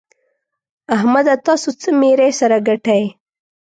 احمده! تاسو څه ميرۍ سره ګټئ؟!